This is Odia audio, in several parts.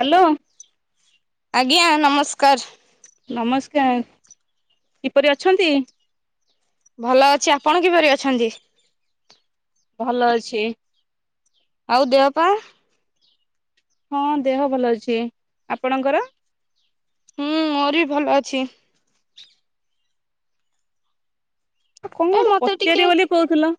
ହାଲୋ। ଆଜ୍ଞା ନମସ୍କାର। ନମସ୍କାର, କିପରି ଅଛନ୍ତି? ଭଲ ଅଛି। ଆପଣ କିପରି ଅଛନ୍ତି? ଭଲ ଅଛି। ଆଉ ଦେହ ପାହା? ହଁ ଦେହ ଭଲ ଅଛି। ଆପଣଙ୍କର? ହୁଁ ମୋର ବି ଭଲ ଅଛି। କଣ ଗୋଟେ ମତେ ଟିକେ ପଚାରି ବୋଲି କହୁଥିଲ।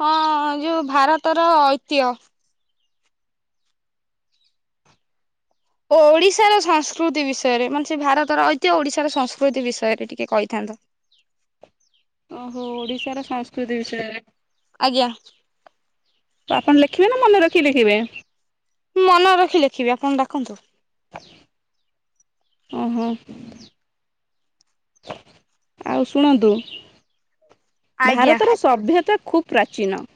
ହଁ ଯୋଉ ଭାରତର ଐତିହ୍ୟ। ଓ ଓଡିଶାର ସଂସ୍କୃତି ବିଷୟରେ ମାନେ ସେ ଭାରତର ଐତିହ୍ୟ ଓଡିଶାର ସଂସ୍କୃତି ବିଷୟରେ ଟିକେ କହିଥାନ୍ତ। ଓହୋ ଓଡିଶାର ସଂସ୍କୃତି ବିଷୟରେ। ଆଜ୍ଞା। ତ ଆପଣ ଲେଖିବେ ନା ମନେ ରଖି ଲେଖିବେ। ମନେ ରଖି ଲେଖିବି ଆପଣ ଡାକନ୍ତୁ। ଅଁ, ହଁ। ଆଉ ଶୁଣନ୍ତୁ। ଆଜ୍ଞା ଭାରତର ସଭ୍ୟତା ଖୁବ୍ ପ୍ରାଚୀନ।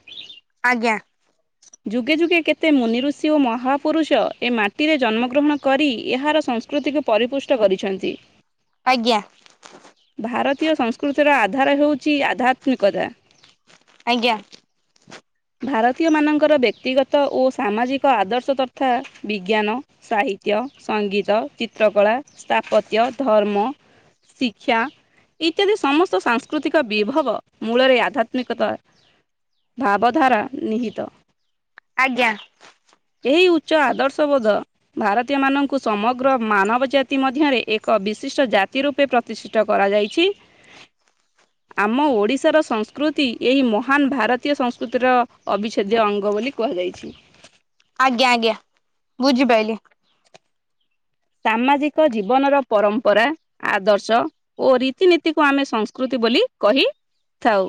ଆଜ୍ଞା ଯୁଗେ ଯୁଗେ କେତେ ମୁନି ଋଷି ଓ ମହାପୁରୁଷ ଏ ମାଟିରେ ଜନ୍ମଗ୍ରହଣ କରି ଏହାର ସଂସ୍କୃତିକୁ ପରିପୃଷ୍ଟ କରିଛନ୍ତି। ଆଜ୍ଞା। ଭାରତୀୟ ସଂସ୍କୃତିର ଆ ଧାରା ହେଉଛି ଆଧ୍ୟାତ୍ମିକତା। ଆଜ୍ଞା। ଭାରତୀୟ ମାନଙ୍କର ବ୍ୟକ୍ତିଗତ ଓ ସାମାଜିକ ଆଦର୍ଶ ତଥା ବିଜ୍ଞାନ, ସାହିତ୍ୟ, ସଙ୍ଗୀତ, ଚିତ୍ରକଳା ସ୍ଥାପତ୍ୟ ଧର୍ମ ଶିକ୍ଷା ଇତ୍ୟାଦି ସମସ୍ତ ସାଂସ୍କୃତିକ ବିଭବ ମୂଳରେ ଆଧ୍ୟାତ୍ମିକତା ଭାବ ଧାରା ନିହିତ। ଆଜ୍ଞା। ଏହି ଉଚ୍ଚ ଆଦର୍ଶ ବୋଧ ଭାରତୀୟ ମାନଙ୍କୁ ସମଗ୍ର ମାନବ ଜାତି ମଧ୍ୟରେ ଏକ ବିଶିଷ୍ଟ ଜାତି ରୂପେ ପ୍ରତିଷ୍ଠିତ କରାଯାଇଛି। ଆମ ଓଡିଶାର ସଂସ୍କୃତି ଏହି ମହାନ ଭାରତୀୟ ସଂସ୍ କୃତିର ଅବଚ୍ଛେଦ୍ୟ ଅଙ୍ଗ ବୋଲି କୁହାଯାଇଛି। ଆଜ୍ଞା, ଆଜ୍ଞା, ବୁଝିପାଇଲି। ସାମାଜିକ ଜୀବନର ପରମ୍ପରା, ଆଦର୍ଶ ଓ ରୀତିନୀତିକୁ ଆମେ ସଂସ୍କୃତି ବୋଲି କହିଥାଉ।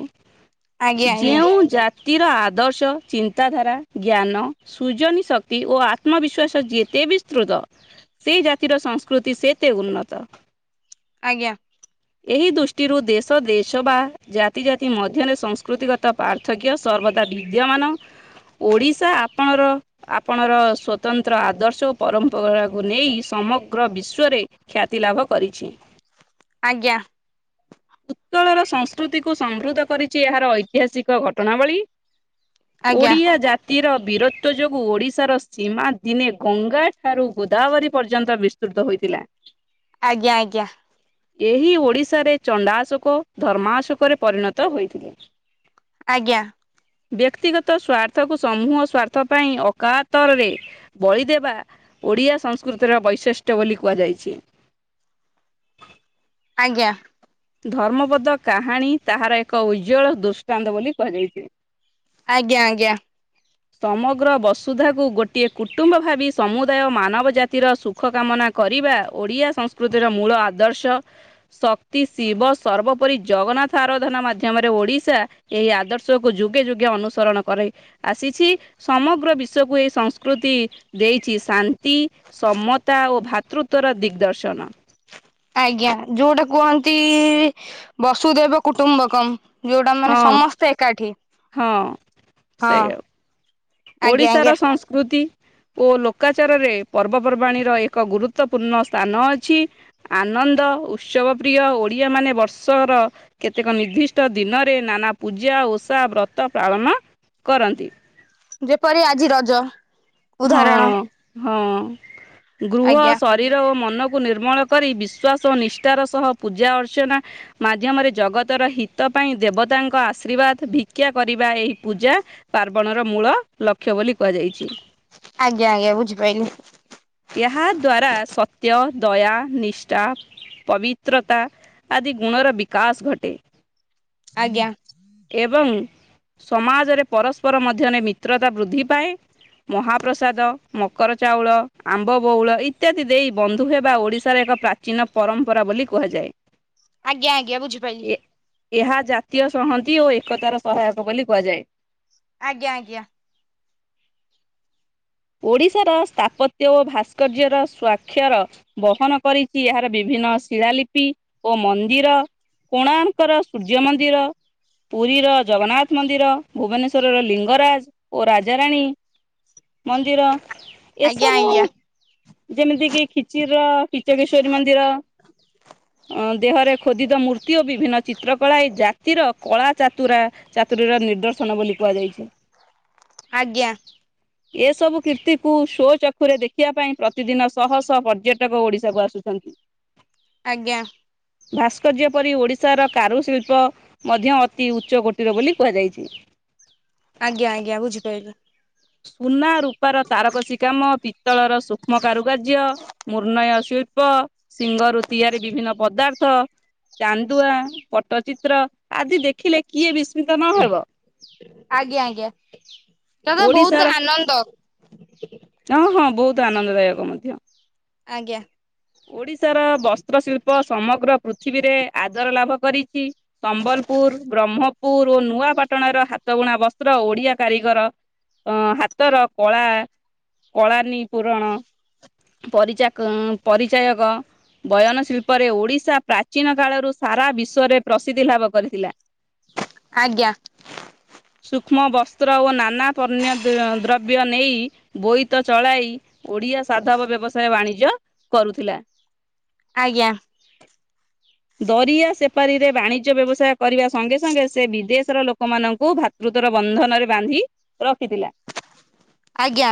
ଆଜ୍ଞା ଆଜ୍ଞା ଯେଉଁ ଜା ବ୍ୟକ୍ତିର ଆଦର୍ଶ ଚିନ୍ତାଧାରା ଜ୍ଞାନ, ସୁୃଜନୀ ଶକ୍ତି ଓ ଆତ୍ମବିଶ୍ୱାସ ଯେତେ ବିସ୍ତୃତ ସେଇ ଜାତିର ସଂସ୍କୃତି ସେତେ ଉନ୍ନତ। ଆଜ୍ଞା। ଏହି ଦୃଷ୍ଟିରୁ ଦେଶ ଦେଶ ବା ଜାତି ଜାତି ମଧ୍ୟରେ ସଂସ୍କୃତିଗତ ପାର୍ଥକ୍ୟ ସର୍ବଦା ବିଦ୍ୟମାନ ।ଓଡ଼ିଶା ଆପଣର ଆପଣର ସ୍ୱତନ୍ତ୍ର ଆଦର୍ଶ ଓ ପରମ୍ପରା କୁ ନେଇ ସମଗ୍ର ବିଶ୍ୱରେ ଖ୍ୟାତି ଲାଭ କରିଛି। ଆଜ୍ଞା। ଉତ୍କଳର ସଂସ୍କୃତିକୁ ସମୃଦ୍ଧ କରିଚି ଏହାର ଐତିହାସିକ ଘଟଣାବଳୀ। ଆଜ୍ଞା ଓଡିଆ ଜାତିର ବୀରତ୍ୱ ଯୋଗୁ ଓଡ଼ିଶାର ସୀମା ଦିନେ ଗଙ୍ଗା ଠାରୁ ଗୋଦାବରୀ ପର୍ଯ୍ୟନ୍ତ ବିସ୍ତୃତ ହୋଇଥିଲା। ଆଜ୍ଞା, ଆଜ୍ଞା, ଏହି ଓଡ଼ିଶାରେ ଚଣ୍ଡାଶୋକ ଧର୍ମାଶୋକରେ ପରିଣତ ହୋଇଥିଲେ। ଆଜ୍ଞା। ବ୍ୟକ୍ତିଗତ ସ୍ଵାର୍ଥକୁ ସମୂହ ସ୍ଵାର୍ଥ ପାଇଁ ଅକାତରରେ ବଳି ଦେବା ଓଡ଼ିଆ ସଂସ୍କୃତିର ବୈଶିଷ୍ଟ୍ୟ ବୋଲି କୁହାଯାଇଛି। ଆଜ୍ଞା। ଧର୍ମବଦ୍ଧ କାହାଣୀ ତାହାର ଏକ ଉଜ୍ଜ୍ୱଳ ଦୃଷ୍ଟାନ୍ତ ବୋଲି କୁହାଯାଇଛି। ଆଜ୍ଞା ଆଜ୍ଞା। ସମଗ୍ର ବସୁଧାକୁ ଗୋଟିଏ କୁଟୁମ୍ବ ଭାବି ସମୁଦାୟ ମାନବ ଜାତିର ସୁଖ କାମନା କରିବା ଓଡ଼ିଆ ସଂସ୍କୃତିର ମୂଳ ଆଦର୍ଶ ସ ଶିବ ସର୍ବୋପରି ଜଗନ୍ନାଥ ଆରାଧନା ମାଧ୍ୟମରେ ଓଡିଶା ଏହି ସେ ଶିବ ସର୍ବ ପରି ଜଗନଥ ଆରାଧନା ମାଧ୍ୟମରେ ଓଡ଼ିଶା ଏଇ ଆଦର୍ଶକୁ ଯୁଗେ ଯୁଗେ ଅନୁସରଣ କରେ ଆସିଛି ସମଗ୍ର ବିଶ୍ଵକୁ ଏଇ ସଂସ୍କୃତି ଦେଇଛି ଶାନ୍ତି, ସମତା ଓ ଭ୍ରାତୃତବର ଦିଗ୍ଦର୍ଶନ। ଆଜ୍ଞା ଯୋଉଟା କୁହନ୍ତି ବସୁଦେବ କୁଟୁମ୍ବକମ୍ ଯୋଉଟା ମାନେ ହଁ, ସମସ୍ତେ ଏକାଠି, ହଁ, ହଁ। ସେଇଆ ଆଜ୍ଞା ଆଜ୍ଞା ଓଡ଼ିଶାର ସଂସ୍କୃତି ଓ ଲୋକାଚାରରେ ପର୍ବପର୍ବାଣିର ଏକ ଗୁରୁତ୍ୱପୂର୍ଣ୍ଣ ସ୍ଥାନ ଅଛି, ଆନନ୍ଦ ଉତ୍ସବ ପ୍ର୍ରିୟ ଓଡ଼ିଆମାନେ ବର୍ଷର କେତେକ ନିର୍ଦ୍ଦିଷ୍ଟ ଦିନରେ ନାନା ପୂଜା ଓଷା ବ୍ରତ ପାଳନ କରନ୍ତି। ଯେପରି ଆଜି ରଜ। ଉଦାହରଣ ହଁ। ହଁ। ଗୃହ ଆଜ୍ଞା ଶରୀର ଓ ମନ ମନକୁ ନିର୍ମଳ କରି ବିଶ୍ୱାସ ଓ ନିଷ୍ଠାର ସହ ପୂଜା ଅର୍ଚ୍ଚନା ମାଧ୍ୟମରେ ଜଗତର ହିତ ପାଇଁ ଦେବତାଙ୍କ ଆଶୀର୍ବାଦ ଭିକ୍ଷା କରିବା ଏହି ପୂଜା ପାର୍ବଣର ମୂଳ ଲକ୍ଷ୍ୟ ବୋଲି କୁହାଯାଇଛି। ଆଜ୍ଞା ଆଜ୍ଞା ବୁଝିପାଇଲି ଏହା ଦ୍ଵାରା ସତ୍ୟ ଦୟା, ନିଷ୍ଠା, ପବିତ୍ରତା ଆଦି ଗୁଣର ବିକାଶ ଘଟେ। ଆଜ୍ଞା। ଏବଂ ସମାଜରେ ପରସ୍ପର ମଧ୍ୟରେ ମିତ୍ରତା ବୃଦ୍ଧି ପାଏ। ମହାପ୍ରସାଦ, ମକର, ଚାଉଳ, ଆମ୍ବ ବଉଳ ଇତ୍ୟାଦି ଦେଇ ବନ୍ଧୁ ହେବା ଓଡ଼ିଶାର ଏକ ପ୍ରାଚୀନ ପରମ୍ପରା ବୋଲି କୁହାଯାଏ। ଆଜ୍ଞା ଆଜ୍ଞା ବୁଝିପାଇଲିି। ଏହା ଜାତୀୟ ସଂହତି ଓ ଏକତାର ସହାୟକ ବୋଲି କୁହାଯାଏ। ଆଜ୍ଞା ଆଜ୍ଞା। ଓଡ଼ିଶାର ସ୍ଥାପତ୍ୟ ଓ ଭାସ୍କର୍ଯ୍ୟର ସ୍ୱାକ୍ଷର ବହନ କରିଛି। ଏହାର ବିଭିନ୍ନ ଶିଳାଲିପି ଓ ମନ୍ଦିର କୋଣାର୍କର ସୂର୍ଯ୍ୟ ମନ୍ଦିର, ପୁରୀର ଜଗନ୍ନାଥ ମନ୍ଦିର, ଭୁବନେଶ୍ୱରର ଲିଙ୍ଗରାଜ ଓ ରାଜାରାଣୀ ମନ୍ଦିର। ଏସବୁ ଆଜ୍ଞା ଯେମିତି କିି ଖିଚିର କିଚକେଶ୍ଵରୀ ମନ୍ଦିର। ଦେହରେ ଖୋଦିତ ମୂର୍ତ୍ତି ଓ ବିଭିନ୍ନ ଚିତ୍ର କଳା ଏଇ ଜା ସିର କଳା ଚାତୁରା ଚାତୁରୀର ନିର୍ଦ ବୋଲି କୁହାଯାଇଛି। ଆଜ୍ଞା ଆଜ୍ଞା ଏସବୁ କୀର୍ତ୍ତିକୁ ସ୍ଵ ଚକ୍ଷୁରେ ଦେଖିବା ପାଇଁ ପ୍ରତିଦିନ ଶହ ଶହ ପର୍ଯ୍ୟଟକ ଓଡ଼ିଶାକୁ ଆସୁଛନ୍ତି। ଆଜ୍ଞା। ଭାସ୍କର୍ଯ୍ୟ ପରି ଓଡ଼ିଶାର କାରୁଶିଳ୍ପ ମଧ୍ୟ ଅତି ଉଚ୍ଚକୋଟିର ବୋଲି କୁହାଯାଇଛି। ଆଜ୍ଞା ଆଜ୍ଞା ବୁଝିପାଇଲି। ସୁନା ରୂପାର ତାରକସୀ କାମ ବି ତଳର ସୂକ୍ଷ୍ମ କାରୁକାର୍ଯ୍ୟ ମୁର୍ଣ୍ଣୟ ଶି ଶିଳ୍ପ ଶିଙ୍ଗରୁ ତିଆରି ବିଭିନ୍ନ ପଦାର୍ଥ, ଚାନ୍ଦୁଆ, ପଟ୍ଟଚିତ୍ର ଆଦି ଦେଖିଲେ କିଏ ବି ଆଜ୍ଞା ଆଜ୍ଞା। ତୋର ତ ଓଡ଼ିଶାର ବହୁତ ଆନନ୍ଦ। ହଁ ହଁ ବହୁତ। ବହୁତ ଆନନ୍ଦଦାୟକ ମଧ୍ୟ। ଆଜ୍ଞା। ଓଡିଶାର ବସ୍ତ୍ରଶିଳ୍ପ ସମଗ୍ର ପୃଥିବୀରେ ଆଦର ଲାଭ କରିଛି ସମ୍ବଲପୁର ବ୍ରହ୍ମପୁର ଓ ନୂଆପାଟଣାର ହାତବୁଣା ବସ୍ତ୍ର ଓଡ଼ିଆ କାରିଗର ହାତର କଳା କଳାନୀ ପୂରଣ ପରିଚା ପରିଚାୟକ ବୟନ ଶିଳ୍ପରେ ଓଡିଶା ପ୍ରାଚୀନ କାଳରୁ ସାରା ବିଶ୍ଵରେ ପ୍ରସିଦ୍ଧି ଲାଭ କରିଥିଲା। ଆଜ୍ଞା। ସୂଷ୍ମ ବସ୍ତ୍ର ଓ ନାନା ପନ୍ୟ୍ ଦ୍ରବ୍ୟ ନେଇ ବୋଇତ ଚଳାଇ ଓଡ଼ିଆ ସାଧବ ବ୍ୟବସାୟ ବାଣିଜ୍ୟ କରୁଥିଲା। ଆଜ୍ଞା। ଦରିଆ ସେପାରୀରେ ବାଣିଜ୍ୟ ବ୍ୟବସାୟ କରିବା ସଙ୍ଗେ ସଙ୍ଗେ ସେ ବିଦେଶର ଲୋକମାନଙ୍କୁ ଭ୍ରାତୃତ୍ୱର ବନ୍ଧନରେ ବାନ୍ଧି ରଖିଥିଲା। ଆଜ୍ଞା।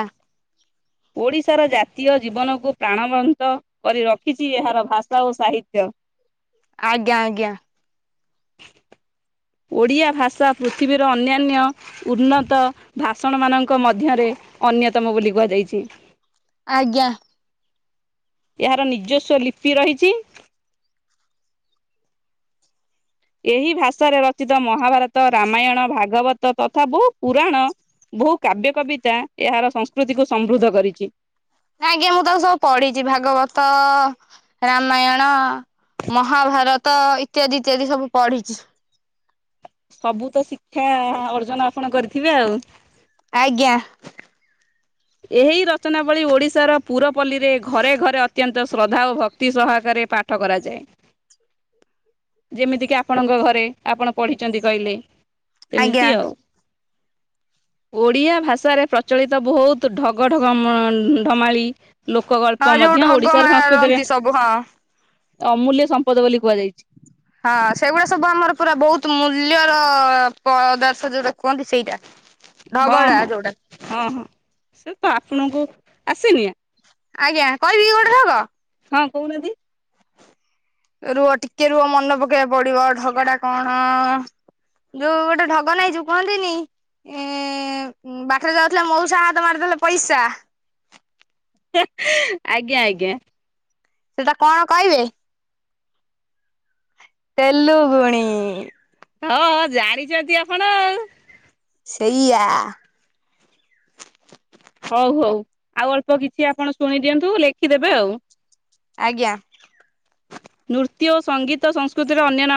ଓଡ଼ିଶାର ଜାତୀୟ ଜୀବନକୁ ପ୍ରାଣବନ୍ତ କରି ରଖିଛି ଏହାର ଭାଷା ଓ ସାହିତ୍ୟ। ଆଜ୍ଞା ଆଜ୍ଞା। [inaudible] ଓଡ଼ିଆ ଭାଷା ପୃଥିବୀର ଅନ୍ୟାନ୍ୟ ଉନ୍ନତ ଭାଷଣମାନଙ୍କ ମଧ୍ୟରେ ଅନ୍ୟତମ ବୋଲି କୁହାଯାଇଛି। ଆଜ୍ଞା। ଏହାର ନିଜସ୍ୱ ଲିପି ରହିଛି। ଏହି ଭାଷାରେ ରଚିତ ମହାଭାରତ ରାମାୟଣ ଭାଗବତ ତଥା ବହୁ ପୁରାଣ ବହୁ କାବ୍ୟ କବିତା ଏହାର ସଂସ୍କୃତିକୁ ସମୃଦ୍ଧ କରିଛି। ଆଜ୍ଞା ମୁଁ ତ ସବୁ ପଢିଛି ଭାଗବତ ରାମାୟଣ ମହାଭାରତ ଇତ୍ୟାଦି ଇତ୍ୟାଦି ସବୁ ପଢିଛି। ସବୁ ତ ଶିକ୍ଷା ଅର୍ଜନ ଆପଣ କରିଥିବେ ଆଉ ଆଜ୍ଞା ଏହି ରଚନାବଳିୀ ଓଡିଶାର ପୁରପଲ୍ଲୀରେ ଘରେ ଘରେ ଅତ୍ୟନ୍ତ ଶ୍ରଦ୍ଧା ଓ ଭକ୍ତି ସହାକାରେ ପାଠ କରାଯାଏ ଯେମିତିକି ଆପଣଙ୍କ ଘରେ ଆପଣ ପଢିଛନ୍ତି କହିଲେ। ଆଜ୍ଞା। ଏମିତି ଆଉ ଓଡିଆ ଭାଷାରେ ପ୍ରଚଳିତ ବହୁତ ତ ଢଗ ଡମାଳି ହଁ ଯୋଉ ଢଗ ମାରନ୍ତି ସବୁ ହଁ। ଅମୂଲ୍ୟ ସମ୍ପଦ ବୋଲି କୁହାଯାଇଛି। ହଁ ସେଇଗୁଡା ସବୁ ଆମର ପୁରା ବହୁତ ମୂଲ୍ୟର ପଦାର୍ଥ ଯୋଉଟା କୁହନ୍ତି ସେଇଟା ହଁ ଢଗଡା ହଁ ଯୋଉଟା ହଁ ହଁ ସେ ତ ଆପଣଙ୍କୁ ଆସିନି। ଆଜ୍ଞା କହିବି କି ଗୋଟେ ଢଗ? ହଁ କହୁନାହାନ୍ତି। ରୁହ ଟିକେ ରୁହ ମନେ ପକେଇବାକୁ ପଡିବ ଢଗ ଟା କଣ ଯୋଉ ଗୋଟେ ଢଗ ନାଇଁ ଯୁ କୁହନ୍ତିନି ଏ ବାଟରେ ଯାଉଥିଲେ ମଉସ ହାତ ମାରିଦେଲେ ପଇସା ଆଜ୍ଞା ଆଜ୍ଞା। ସେଟା କଣ କହିବେ ତେଲୁଗୁଣି? ହଁ ଜାଣିଛନ୍ତି ଆପଣ ଆଉ। ସେଇଆ। ହଉ ହଉ ଆଉ ଅଳ୍ପ କିଛି ଆପଣ ଶୁଣି ଦିଅନ୍ତୁ ଲେଖିଦେବେ ଆଉ। ଆଜ୍ଞା। ନୃତ୍ୟ ଓ ସଙ୍ଗୀତ ସଂସ୍କୃତିର ଅନ୍ୟ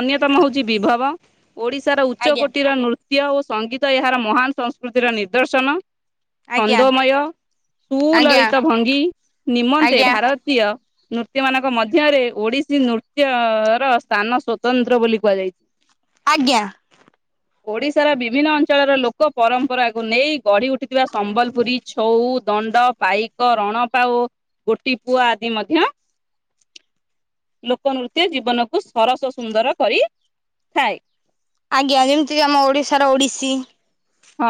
ଅନ୍ୟତମ ହଉଛି ବିଭବ। ଓଡ଼ିଶାର ଆଜ୍ଞା ଉଚ୍ଚକୋଟିର ନୃତ୍ୟ ଓ ସଙ୍ଗୀତ ଏହାର ମହାନ ସଂସ୍କୃତିର ନିର୍ଦର୍ଶନ ଆଜ୍ଞା ଛନ୍ଦମୟ ଆଜ୍ଞା ସୁଲଳିତ ଭଙ୍ଗୀ ନିମନ୍ତେ ଆଜ୍ଞା ଭାରତୀୟ ନୃତ୍ୟ ମାନଙ୍କ ମଧ୍ୟ ମଧ୍ୟରେ ଓଡିଶୀ ନୃତ୍ୟ ର ସ୍ଥାନ ସ୍ଵତନ୍ତ୍ର ବୋଲି କୁହାଯାଇଛି। ଆଜ୍ଞା। ଓଡିଶାର ବିଭିନ୍ନ ଅଞ୍ଚଳର ଲୋକ ପରମ୍ପରାକୁ ନେଇ ଗଢି ଉଠିଥିବା ସମ୍ବଲପୁରୀ ଛଉ ଦଣ୍ଡ ପାଇକ ରଣ ପାଉ ଗୋଟି ପୁଅ ଆଦି ମଧ୍ୟ ଲୋକନୃତ୍ୟ ଜୀବନକୁ ସରସ ସୁନ୍ଦର କରି ଥାଏ। ଆଜ୍ଞା ଯେମିତିକ ଆମ ଓଡିଶାର ଓଡିଶି। ହଁ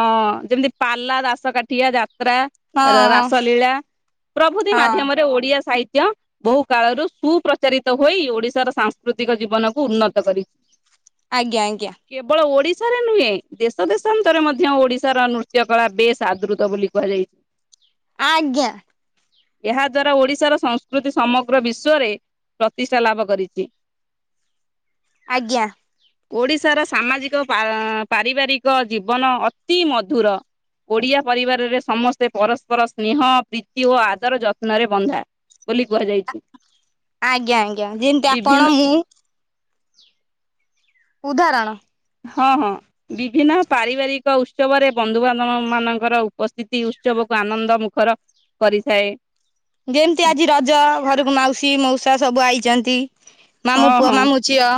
ଯେମିତି ପାଲା ଦାସକାଠିଆ ଯା ତ୍ରା ହଁ ରାସ ଲୀଳା ପ୍ରଭୃତି ହଁ ମାଧ୍ୟମରେ ଓଡିଆ ସାହି ତ୍ୟ ବହୁ କାଳରୁ ସୁପ୍ରଚାରିତ ହୋଇ ଓଡିଶାର ସାଂସ୍କୃତିକ ଜୀବନକୁ ଉନ୍ନତ କରି ଆଜ୍ଞା ଆଜ୍ଞା। ଶା ରେ ନୁହେଁ ଦେଶ ଦେଶ ନ୍ତାରେ ରେ ମଧ୍ୟ ଓଡିଶାର ନୃତ୍ୟ କଳା ବେଶ ଆଦୃତ ବୋଲି କୁହାଯାଇ ଆଜ୍ଞା। ଏହା ଦ୍ୱାରା ଓଡ଼ିଶାର ସଂସ୍କୃତି ସମଗ୍ର ବିଶ୍ଵରେ ପ୍ରତିଷ୍ଠା ଲାଭ କରିଛି। ଆଜ୍ଞା। ଓଡିଶାର ସାମାଜିକ ପାର ଜୀବନ ଅତି ମଧୁର ଓଡିଆ ପରିବାରରେ ସମସ୍ତେ ପରସ୍ପର ସ୍ନେହ ପ୍ରୀତି ଓ ଆଦର ଯତ୍ନରେ ବନ୍ଧା ବୋଲି କୁହାଯାଇଛି। ଆଜ୍ଞା ଆଜ୍ଞା ଯେମିତି ବିଭିନ୍ନ ଆପଣ ମୁଁ। ଉଦାହରଣ । ହଁ ହଁ ବିଭିନ୍ନ ପାରିବାରିକ ଉତ୍ସବରେ ବନ୍ଧୁବାନ୍ଧବ ମାନଙ୍କର ଉପସ୍ଥିତି ଉତ୍ସବକୁ ଆନନ୍ଦ ମୁଖର କରିଥାଏ । ଯେମତି ଆଜି ରଜ ଘରକୁ ମାଉସୀ ମଉସା ସା ସବୁ ଆଇଛନ୍ତି । ହଁ ମାମୁଁ ପୁଅ, ହଁ ମାମୁଁ ଝିଅ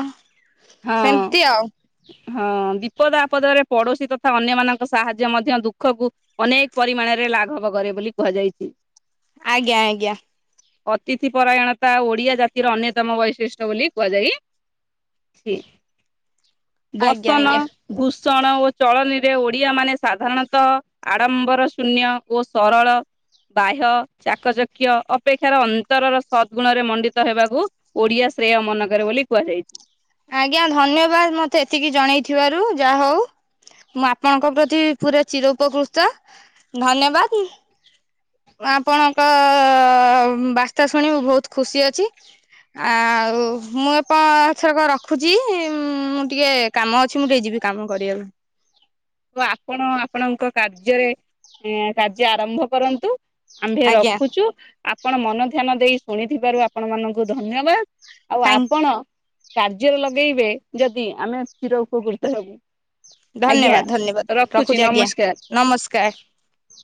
ହଁ ସେମିତି ଆଉ । ହଁ ବିପଦ ଆପଦରେ ପଡୋଶୀ ତଥା ଅନ୍ୟମାନଙ୍କ ସାହାଯ୍ୟ ମଧ୍ୟ ଦୁଃଖକୁ ଅନେକ ପରିମାଣରେ ଲାଘବ କରେ ବୋଲି କୁହାଯାଇଛି । ଆଜ୍ଞା ଆଜ୍ଞା । ଅତିଥି ପରାୟଣତା ଓଡିଆ ଜାତିର ଅନ୍ୟତମ ବୈଶିଷ୍ଟ୍ୟ ବୋଲି କୁହାଯାଇଛି। ଆଜ୍ଞା ବସନ ଆଜ୍ଞା। କୁଷ ଷଣ ଓ ଚଳନୀରେ ଓଡିଆ ମାନେ ସାଧାରଣତଃ ଆଡ଼ମ୍ବର ଶୂନ୍ୟ ଓ ସରଳ ବାହ୍ୟ ଚାକଚକ୍ୟ ଅପେକ୍ଷାର ଅନ୍ତରର ସଦଗୁଣରେ ମଣ୍ଡିତ ହେବାକୁ ଓଡିଆ ଶ୍ରେୟମନକରେ ବୋଲି କୁହାଯାଇଛି । ଆଜ୍ଞା ଧନ୍ୟବାଦ ମତେ ଏତିକି ଜଣେଇଥିବାରୁ । ଯାହାହଉ ମୁଁ ଆପଣଙ୍କ ପ୍ରତି ପୁରା ଚିର ଉପକୃତ ଧନ୍ୟବାଦ । ଆପଣଙ୍କ ବାର୍ତ୍ତା ଶୁଣି ମୁଁ ବହୁତ ଖୁସି ଅଛି । ଆଉ ମୁଁ ଏପଥରକ ରଖ ରଖୁଛି ଉମ୍- ମୁଁ ଟିକେ କାମ ଅଛି ମୁଁ ଟିକେ ଯିବି କାମ କରିବାକୁ । ତ ଆପଣ ଆପଣଙ୍କ କାର୍ଯ୍ୟରେ କାର୍ଯ୍ୟ ଆରମ୍ଭ କରନ୍ତୁ । ଆମ୍ଭେ ଆଜ୍ଞା ରଖୁଛୁ ଆପଣ ମନ ଧ୍ୟାନ ଦେଇ ଶୁଣିଥିବାରୁ ଆପଣ ମାନଙ୍କୁ ଧନ୍ୟବାଦ । ଆଉ ଥ୍ୟାଙ୍କ ଆପଣ କାର୍ଯ୍ୟରେ ଲଗେଇବେ ଯଦି ଆମେ ଚିର ଉପକୃତ ହେବୁ । ଧନ୍ୟବାଦ । ଧନ୍ୟବାଦ ରଖୁଛି ଆଜ୍ଞା ନମସ୍କାର। ନମସ୍କାର ।